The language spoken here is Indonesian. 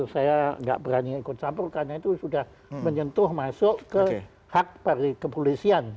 saya nggak berani ikut campur karena itu sudah menyentuh masuk ke hak dari kepolisian